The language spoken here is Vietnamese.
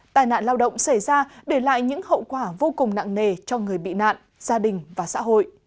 tài nạn lao động xảy ra để lại những hậu quả vô cùng nặng nề cho người bị nạn gia đình và xã hội